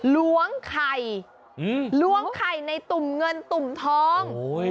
ล้วงไข่ล้วงไข่ในตุ่มเงินตุ่มทอง